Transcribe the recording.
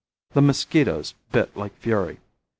The mosquitoes bit like fury.